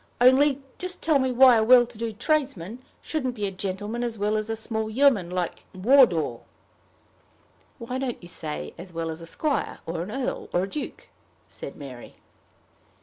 Only just tell me why a well to do tradesman shouldn't be a gentleman as well as a small yeoman like Wardour." "Why don't you say as well as a squire, or an earl, or a duke?" said Mary.